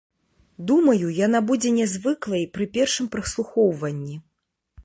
Думаю, яна будзе нязвыклай пры першым праслухоўванні.